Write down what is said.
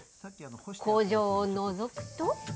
工場をのぞくと。